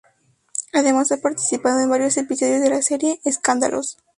Además ha participado en varios episodios de la serie "Escándalos".